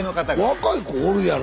若い子おるやろ。